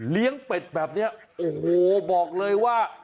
เป็ดแบบนี้โอ้โหบอกเลยว่า